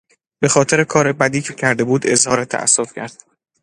به خاطر کار بدی که کرده بود اظهار تاسف کرد.